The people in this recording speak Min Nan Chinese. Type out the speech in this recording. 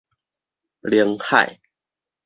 寧海